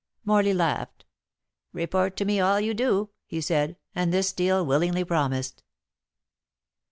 Morley laughed. "Report to me all you do," he said, and this Steel willingly promised.